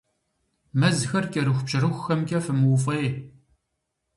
Мэзхэр кӀэрыхубжьэрыхухэмкӀэ фымыуфӀей.